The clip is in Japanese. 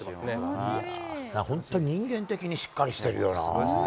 本当、人間的にしっかりしてるよなぁ。